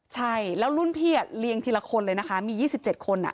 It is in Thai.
ใช่แล้วรุ่นพี่เลี้ยงทีละคนเลยนะคะมี๒๗คน